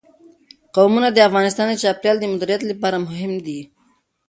قومونه د افغانستان د چاپیریال د مدیریت لپاره مهم دي.